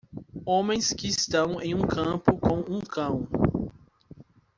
Homens que estão em um campo com um cão.